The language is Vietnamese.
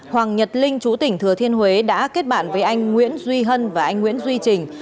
hoàng nhật linh chú tỉnh thừa thiên huế đã kết bạn với anh nguyễn duy hân và anh nguyễn duy trình